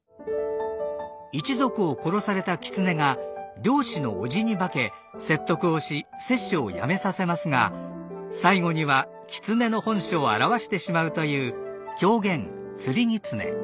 一族を殺された狐が猟師の伯父に化け説得をし殺生をやめさせますが最後には狐の本性を現してしまうという狂言「釣狐」。